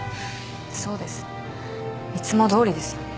そうです。いつもどおりですよ。